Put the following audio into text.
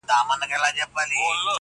ما په اول ځل هم چنداني گټه ونه کړه,